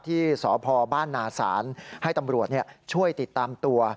ที่สพบ้านนาศาลให้ตำรวจช่วยติดตามตัว